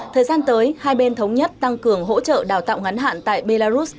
thời gian tới hai bên thống nhất tăng cường hỗ trợ đào tạo ngắn hạn tại belarus